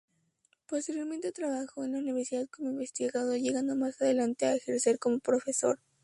Posteriormente trabajó en la universidad como investigador, llegando más adelante a ejercer como profesor.